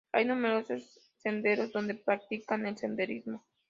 Hay numerosos senderos donde practicar el senderismo.